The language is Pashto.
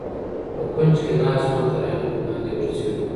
په کونج کې ناست ځوان تر عينکو لاندې ور ځير و.